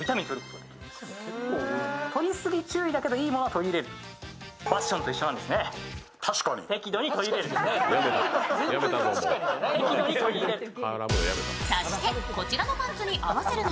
とりすぎ注意だけど、いいものは取り入れるファッションと一緒なんですね、適度に取り入れる。